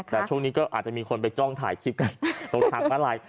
แต่ช่วงนี้ก็อาจจะมีคนไปจ้องถ่ายคลิปกันตรงทางมาลัย